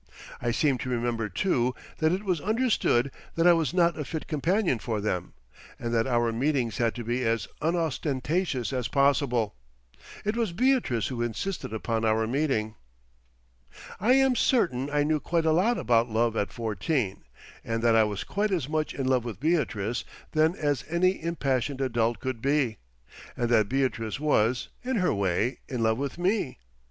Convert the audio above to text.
I seem to remember too, that it was understood that I was not a fit companion for them, and that our meetings had to be as unostentatious as possible. It was Beatrice who insisted upon our meeting. I am certain I knew quite a lot about love at fourteen and that I was quite as much in love with Beatrice then as any impassioned adult could be, and that Beatrice was, in her way, in love with me.